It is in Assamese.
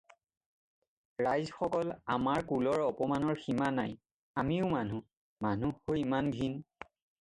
ৰাইজসকল আমাৰ কুলৰ অপমানৰ সীমা নাই, আমিও মানুহ, মানুহ হৈ ইমান ঘিণ